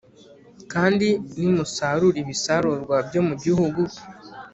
Kandi nimusarura ibisarurwa byo mu gihugu